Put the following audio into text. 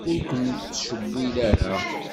Ur ken-nettcewwil ara.